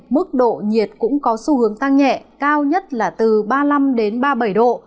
mức độ nhiệt cũng có xu hướng tăng nhẹ cao nhất là từ ba mươi năm đến ba mươi bảy độ